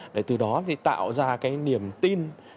để từ đó tạo ra cái niềm tin